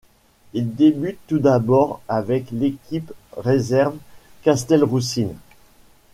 Il débute tout d'abord avec l'équipe réserve castelroussine.